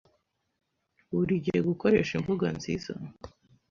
Buri gihe gukoresha imvugo nziza